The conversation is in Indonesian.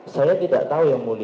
saya tidak tahu yang mulia